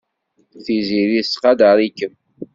Tiziri tettqadar-ikem.